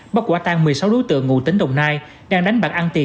bắt quả tan một mươi sáu đối tượng ngụ tính đồng nai đang đánh bạc ăn tiền